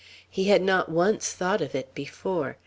He had not once thought of it before.